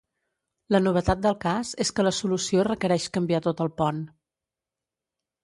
La novetat del cas és que la solució requereix canviar tot el pont.